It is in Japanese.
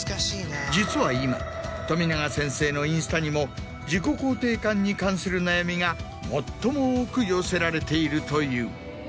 実は今冨永先生のインスタにも自己肯定感に関する悩みが最も多く寄せられているという。